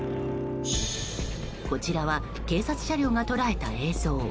こちらは警察車両が捉えた映像。